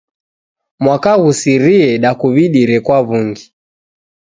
Mwaka ghusirie dakuw'idire kwa w'ungi.